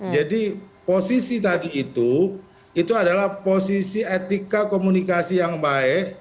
jadi posisi tadi itu itu adalah posisi etika komunikasi yang baik